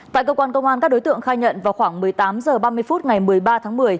tại cơ quan công an các đối tượng khai nhận vào khoảng một mươi tám h ba mươi phút ngày một mươi ba tháng một mươi